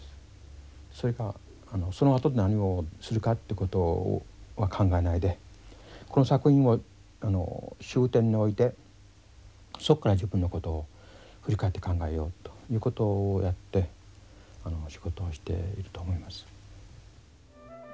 それかそのあと何をするかってことは考えないでこの作品を終点に置いてそこから自分のことを振り返って考えようということをやって仕事をしていると思います。